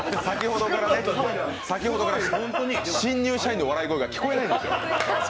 先ほどから新入社員の笑いが全然聞こえないんですよ。